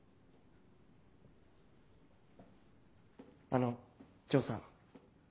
あの城さん。